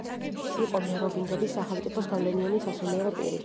იყო მეროვინგების სახელმწიფოს გავლენიანი სასულიერო პირი.